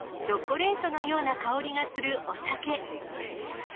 チョコレートのような香りがするお酒。